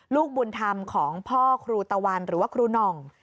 ลูกบุญธรรมของพ่อครูตะวันหรือว่าครูหน่อง